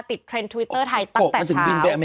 เทรนด์ทวิตเตอร์ไทยตั้งแต่เช้า